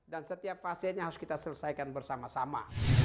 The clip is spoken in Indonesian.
dan setiap fase nya harus kita selesaikan bersama sama